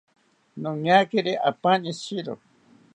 Noñakiri apaani shiro